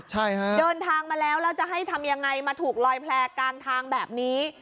ใช่ฮะเดินทางมาแล้วแล้วจะให้ทำยังไงมาถูกลอยแผลกลางทางแบบนี้